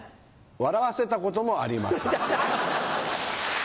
笑わせたこともありません。